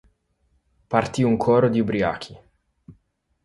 Partì un coro di ubriachi.